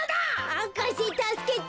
博士たすけて。